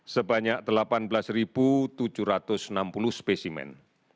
sebanyak delapan belas tujuh ratus enam puluh spesimen